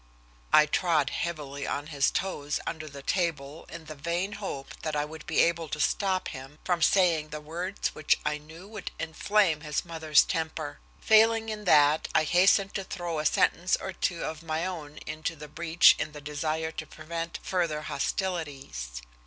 I trod heavily on his toes under the table in the vain hope that I would be able to stop him from saying the words which I knew would inflame his mother's temper. Failing in that, I hastened to throw a sentence or two of my own into the breach in the desire to prevent further hostilities.